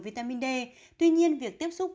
vitamin d tuy nhiên việc tiếp xúc